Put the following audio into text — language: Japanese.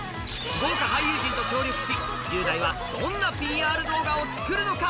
豪華俳優陣と協力し１０代はどんなＰＲ動画を作るのか？